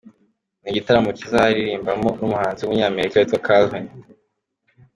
Ni igitaramo kizaririmbamo n'umuhanzi w'umunyamerika witwa Calvin.